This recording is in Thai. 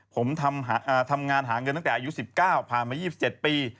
ผมทำงานหาเงินตั้งแต่อายุ๑๙ผ่านมา๒๗ปี